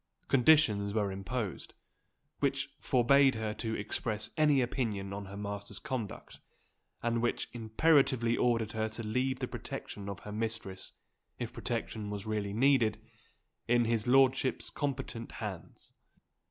Conditions were imposed, which forbade her to express any opinion on her master's conduct, and which imperatively ordered her to leave the protection of her mistress if protection was really needed in his lordship's competent hands.